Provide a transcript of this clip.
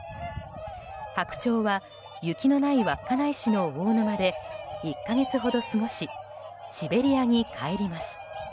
ハクチョウは雪のない稚内市の大沼で１か月ほど過ごしシベリアに帰ります。